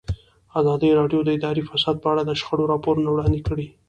ازادي راډیو د اداري فساد په اړه د شخړو راپورونه وړاندې کړي.